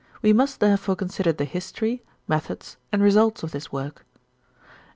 We must therefore consider the history, methods, and results of this work.